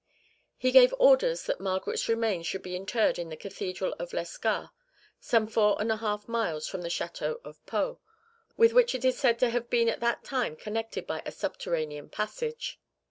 (2) He gave orders that Margaret's remains should be interred in the Cathedral of Lescar, some four and a half miles from the Château of Pau, with which it is said to have been at that time connected by a subterranean passage.